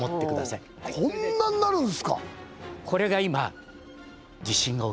こんなんなるんですか！